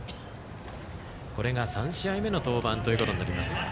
これが３試合目の登板となります。